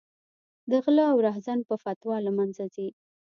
د غله او رحزن په فتوا له منځه ځي.